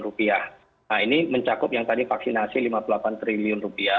nah ini mencakup yang tadi vaksinasi rp lima puluh delapan triliun